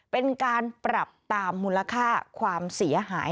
เป็นการปรับตามมูลค่าความเสียหาย